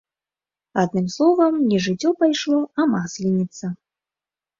Адным словам, не жыццё пайшло, а масленіца.